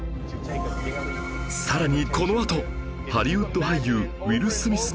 更にこのあとハリウッド俳優ウィル・スミスの言葉